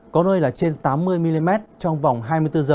có nơi là trên tám mươi mm trong vòng hai mươi bốn h